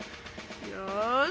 よし！